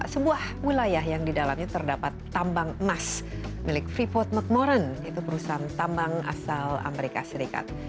sebuah wilayah yang di dalamnya terdapat tambang emas milik freeport mcmoran itu perusahaan tambang asal amerika serikat